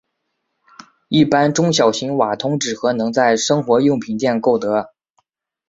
一般中小型瓦通纸盒能在生活用品店购得。